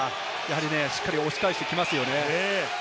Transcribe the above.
しっかり押し返してきますよね。